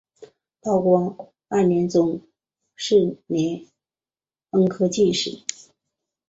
道光二年中壬午恩科进士。